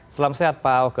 selam sehat pak oke